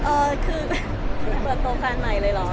เออคือเปิดตัวแฟนใหม่เลยเหรอ